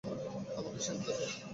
আমাকে সেজদা করো।